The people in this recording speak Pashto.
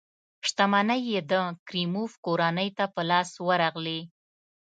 شتمنۍ یې د کریموف کورنۍ ته په لاس ورغلې.